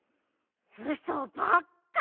うそばっか！